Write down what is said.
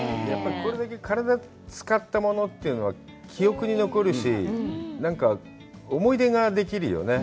体を使ったものというのは記憶に残るし、思い出ができるよね。